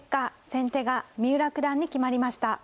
先手が三浦九段に決まりました。